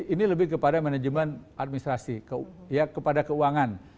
ini lebih kepada manajemen administrasi kepada keuangan